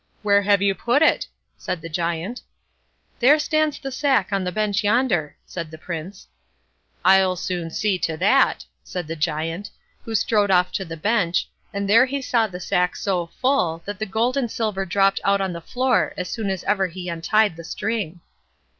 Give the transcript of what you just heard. "Where have you put it?" said the Giant. "There stands the sack on the bench yonder", said the Prince. "I'll soon see to that", said the Giant, who strode off to the bench, and there he saw the sack so full that the gold and silver dropped out on the floor as soon as ever he untied the string.